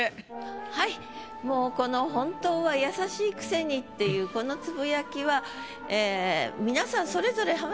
はいもうこの「ほんたうは優しいくせに」っていうこのつぶやきはそれぞれ。